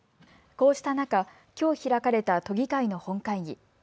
こうした中、きょう開かれた都議会の本会議。